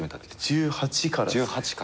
１８から。